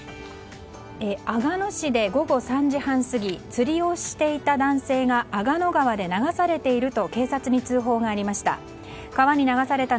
阿賀野市で午後３時半過ぎ釣りをしていた男性が阿賀野川で流されていると警察に通報がありました。